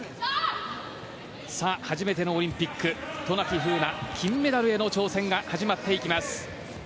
初めてのオリンピック渡名喜風南金メダルへの挑戦が始まっていきます。